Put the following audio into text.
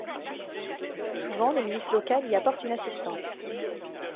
Souvent, les milices locales y apportent une assistance.